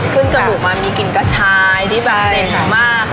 ถึงกระดูกมีกลิ่นกระชายที่เป็นเด่นมาก